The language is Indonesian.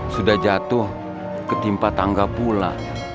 sudah jatuh ke timpa tangga pula